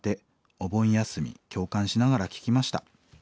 お盆休み共感しながら聞きました。